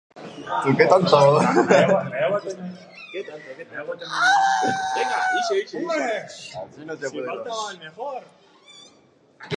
Mendizaleentzako babesleku izateko sortua.